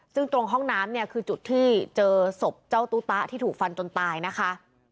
ซึ่งตรงห้องน้ำเนี่ยคือจุดที่เจอศพเจ้าตู้ตะที่ถูกฟันจนตายนะคะ